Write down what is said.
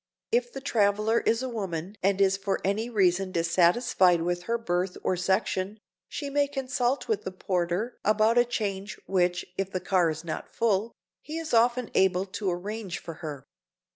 If the traveler is a woman and is for any reason dissatisfied with her berth or section, she may consult with the porter about a change which, if the car is not full, he is often able to arrange for her.